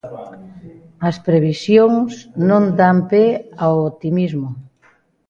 As previsións non dan pé ao optimismo.